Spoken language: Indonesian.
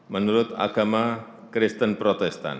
menurut agama kristen protestan